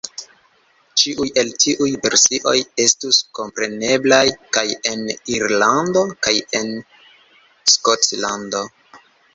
Ĉiuj el tiuj versioj estus kompreneblaj kaj en Irlando kaj en Skotlando.